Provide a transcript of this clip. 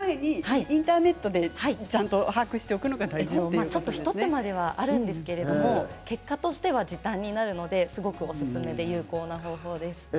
アプリで買う前にインターネットでちゃんと一手間ではあるんですけれども結果としては時短になるのでおすすめで有効な方法です。